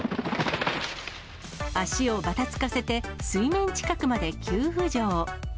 足をばたつかせて、水面近くまで急浮上。